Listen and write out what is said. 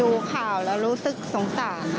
ดูข่าวแล้วรู้สึกสงสาร